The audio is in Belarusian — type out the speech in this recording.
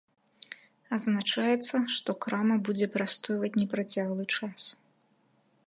Адзначаецца, што крама будзе прастойваць непрацяглы час.